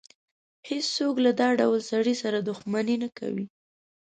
هېڅ څوک له دا ډول سړي سره دښمني نه کوي.